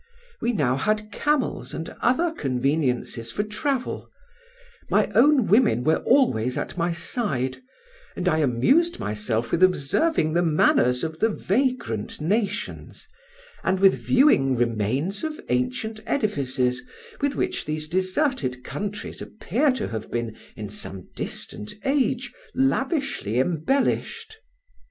We now had camels and other conveniences for travel; my own women were always at my side, and I amused myself with observing the manners of the vagrant nations, and with viewing remains of ancient edifices, with which these deserted countries appear to have been in some distant age lavishly embellished.